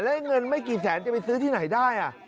แล้วเงินไม่กี่แสนจะไปซื้อที่ไหนได้